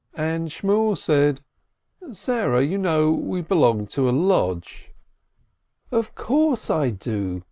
And Shmuel said: "Sarah, you know, we belong to a lodge." "Of course I do!"